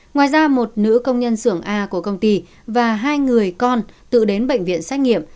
ngoài ra một nữ công nhân xưởng a của công ty và hai người con tự đến bệnh viện xét nghiệm